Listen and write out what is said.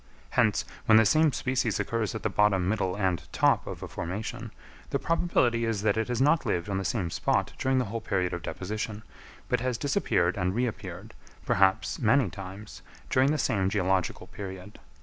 Hence, when the same species occurs at the bottom, middle, and top of a formation, the probability is that it has not lived on the same spot during the whole period of deposition, but has disappeared and reappeared, perhaps many times, during the same geological period.